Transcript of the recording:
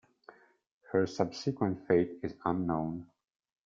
Her subsequent fate is unknown.